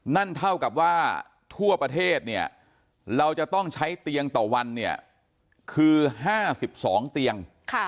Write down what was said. นั่นเท่ากับว่าทั่วประเทศเนี่ยเราจะต้องใช้เตียงต่อวันเนี่ยคือ๕๒เตียง